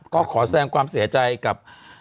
ก็ขอแสดงความเสียใจกับ